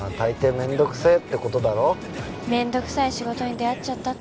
面倒くさい仕事に出会っちゃったって事か。